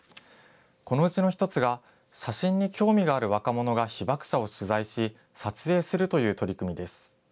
このうちの一つが、写真に興味がある若者が被爆者を取材し、撮影するという取り組みです。